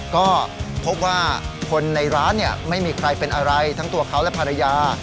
ก็พบว่าคนในร้านไม่มีใครเป็นอะไรทั้งตัวเขาและภรรยา